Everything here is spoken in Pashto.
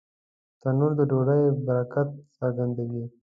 تنور د ډوډۍ برکت څرګندوي